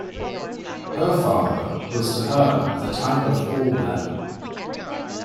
Her father was to her the type of all men.